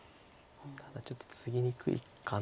ちょっとツギにくいかな。